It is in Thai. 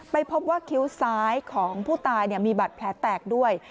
พบว่าคิ้วซ้ายของผู้ตายมีบัตรแผลแตกด้วย